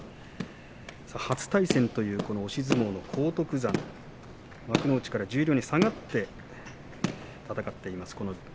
初対戦という押し相撲の荒篤山幕内から十両に下がって戦っています。